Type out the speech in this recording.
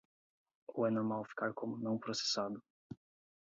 Ou é normal ficar como "não processado"?